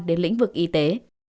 đến lĩnh vực y tế